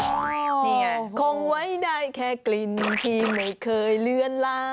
นี่ไงคงไว้ได้แค่กลิ่นที่ไม่เคยเลือนลา